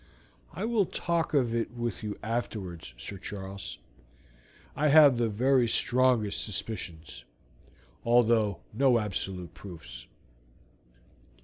"I will talk of it with you afterwards, Sir Charles. I have the very strongest suspicions, although no absolute proofs.